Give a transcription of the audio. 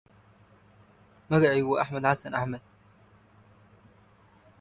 Slowly, the reader notices thematic connections and the shadow of a narrative arc.